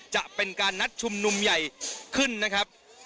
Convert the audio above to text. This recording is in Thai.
จะเป็นการนัดชุมนุมใหญ่ขึ้นนะครับ